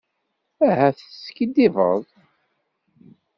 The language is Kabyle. Ahat teskiddibeḍ.